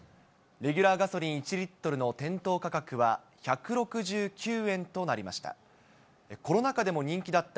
レギュラーガソリン１リットルの店頭価格は、１６９円となりました。